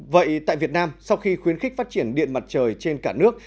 vậy tại việt nam sau khi khuyến khích phát triển điện mặt trời trên cả nước